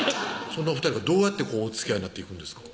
そんなお２人がどうやっておつきあいになっていくんですか